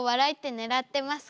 ね狙ってます。